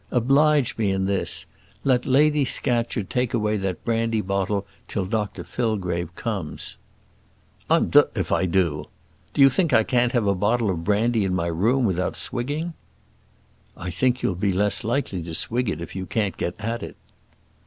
Oblige me in this; let Lady Scatcherd take away that brandy bottle till Dr Fillgrave comes." "I'm d if I do. Do you think I can't have a bottle of brandy in my room without swigging?" "I think you'll be less likely to swig it if you can't get at it."